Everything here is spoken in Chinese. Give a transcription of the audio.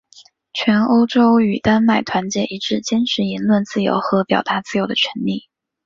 全欧洲与丹麦团结一致坚持言论自由和表达自由的权利。